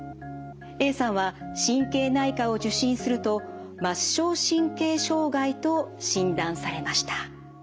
Ａさんは神経内科を受診すると末梢神経障害と診断されました。